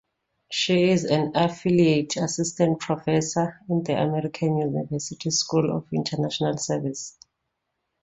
She is an affiliate assistant professor in the American University School of International Service.